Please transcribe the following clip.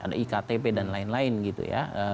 ada iktp dan lain lain gitu ya